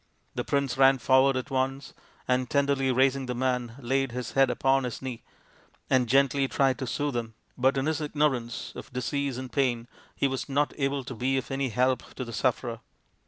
The prince ran forward at once, and tenderly raising the man, laid his head upon his knee and gently tried to soothe him, but in his ignorance of disease and pain he was not able to be of any real help to the sufferer.